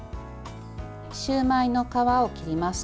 シューマイの皮を切ります。